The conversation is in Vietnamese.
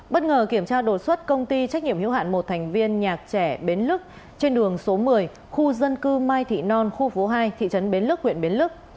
bất ngờ kiểm tra đột xuất công ty trách nhiệm hiếu hạn một thành viên nhạc trẻ bến lức trên đường số một mươi khu dân cư mai thị non khu phố hai thị trấn bến lức huyện bến lức